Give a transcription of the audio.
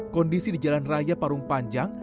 kondisi di jalan raya parung panjang